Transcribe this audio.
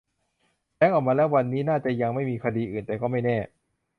แบงค์ ออกมาแล้ว วันนี้น่าจะยังไม่มีคดีอื่น แต่ก็ไม่แน่